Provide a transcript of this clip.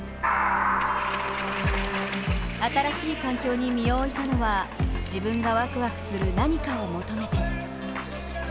新しい環境に身を置いたのは自分がワクワクする何かを求めて。